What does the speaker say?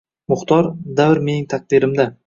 Muxtor, Davr mening taqdirimda